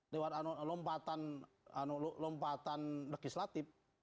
lewat lompatan legislatif